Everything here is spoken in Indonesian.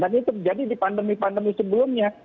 dan itu terjadi di pandemi pandemi sebelumnya